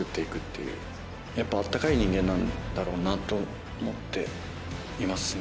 やっぱ温かい人間なんだろうなと思っていますね。